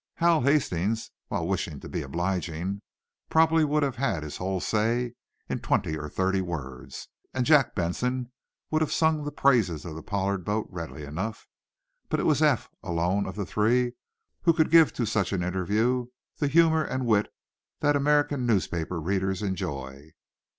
Hal Hastings, while wishing to be obliging, probably would have said his whole "say" in twenty or thirty words. Jack Benson would have sung the praises of the Pollard boats readily enough. But it was Eph, alone of the three, who could give to such an interview the humor and wit that American newspaper readers enjoy.